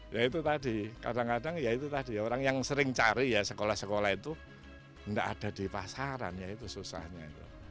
ya itu tadi kadang kadang ya itu tadi orang yang sering cari ya sekolah sekolah itu nggak ada di pasaran ya itu susahnya itu